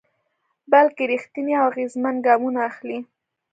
بلکې رېښتيني او اغېزمن ګامونه اخلي.